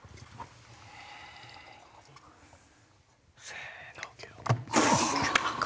せの。